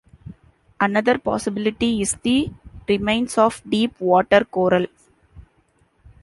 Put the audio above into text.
Another possibility is the remains of deep water coral.